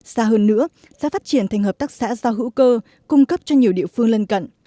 xa hơn nữa sẽ phát triển thành hợp tác xã rau hữu cơ cung cấp cho nhiều địa phương lân cận